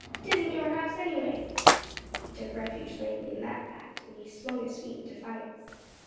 'Tisn't your house, anyway," he took refuge lamely in that fact, and he swung his feet in defiance.